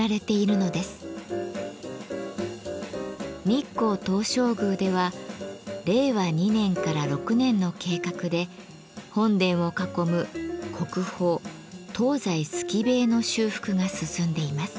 日光東照宮では令和２年から６年の計画で本殿を囲む国宝東西透塀の修復が進んでいます。